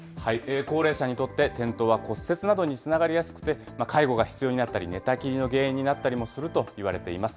高齢者にとって転倒は骨折などにつながりやすくて、介護が必要になったり、寝たきりの原因になったりもするといわれています。